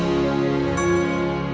nomor ingin lebih dari tadi